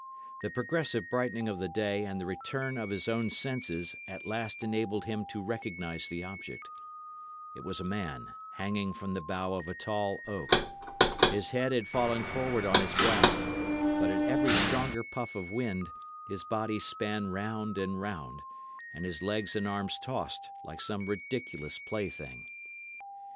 The progressive brightening of the day and the return of his own senses at last enabled him to recognise the object. It was a man hanging from the bough of a tall oak. His head had fallen forward on his breast; but at every stronger puff of wind his body span round and round, and his legs and arms tossed, like some ridiculous plaything.